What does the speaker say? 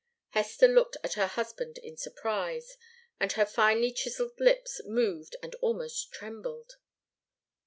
Hester looked at her husband in surprise, and her finely chiselled lips moved and almost trembled.